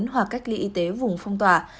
hoặc cách ly y tế vùng phong tỏa